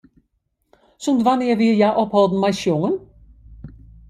Sûnt wannear wie hja opholden mei sjongen?